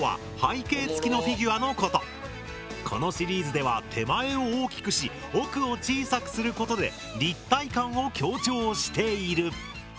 このシリーズでは手前を大きくし奥を小さくすることで立体感を強調している。